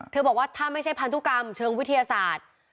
บอกว่าถ้าไม่ใช่พันธุกรรมเชิงวิทยาศาสตร์